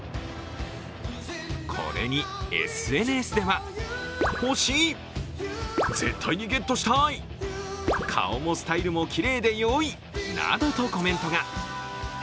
これにＳＮＳでは欲しい、絶対にゲットしたい、顔もスタイルもきれいでよいなどとコメントが。